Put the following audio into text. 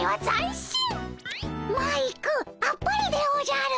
マイクあっぱれでおじゃる。